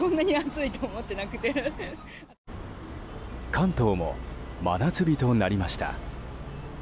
関東も真夏日となりました。